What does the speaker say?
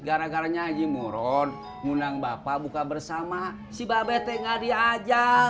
gara gara haji muroh mengundang bapak buka bersama si mbak be t ngadi aja